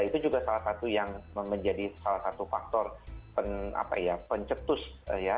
itu juga salah satu yang menjadi salah satu faktor pencetus ya